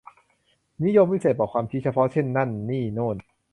นิยมวิเศษณ์ บอกความชี้เฉพาะ เช่น นั่น นี่ โน่น